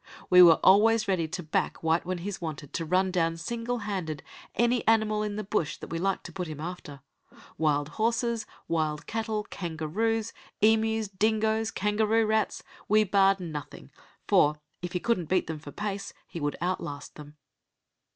We were always ready to back White when he's wanted to run down, single handed, any animal in the bush that we liked to put him after wild horses, wild cattle, kangaroos, emus, dingoes, kangaroo rats we barred nothing, for, if he couldn't beat them for pace, he would outlast them.